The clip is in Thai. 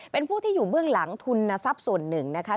เป็นผู้ที่อยู่เบื้องหลังทุนทรัพย์ส่วนหนึ่งนะคะ